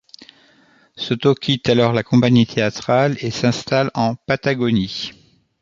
Soto quitte alors la compagnie théâtrale et s'installe en Patagonie.